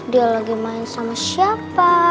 dia lagi main sama siapa